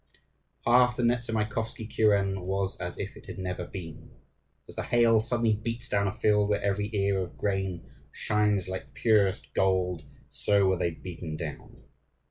Half the Nezamaikovsky kuren was as if it had never been. As the hail suddenly beats down a field where every ear of grain shines like purest gold, so were they beaten down.